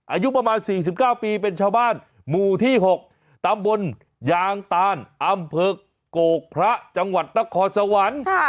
อายุประมาณ๔๙ปีเป็นชาวบ้านหมู่ที่๖ตำบลยางตานอำเภอโกกพระจังหวัดนครสวรรค์